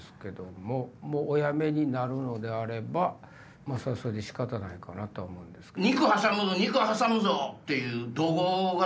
もうおやめになるのであれば仕方ないかなとは思うんですけど。